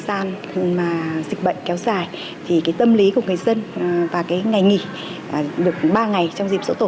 gian mà dịch bệnh kéo dài thì cái tâm lý của người dân và cái ngày nghỉ được ba ngày trong dịp dỗ tổ